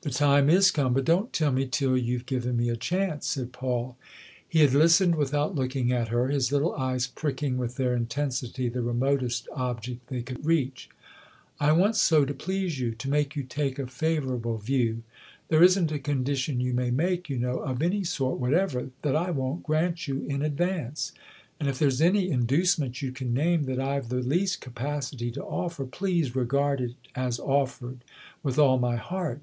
" The time is come, but don't tell me till you've given me a chance," said Paul. He had listened without looking at her, his little eyes pricking with their intensity the remotest object they could reach. " I want so to please you to make you take a favourable view. There isn't a condition you may make, you know, of any sort whatever, that I won't grant you in advance. And if there's any induce ment you can name that I've the least capacity to offer, please regard it as offered with all my heart.